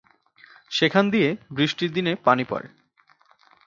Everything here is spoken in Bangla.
সেখান দিয়ে বৃষ্টির দিনে পানি পড়ে।